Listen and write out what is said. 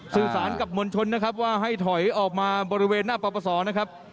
สื่อสารกับมวลชนนะครับว่าให้ถอยออกมาบริเวณหน้าปปศนะครับ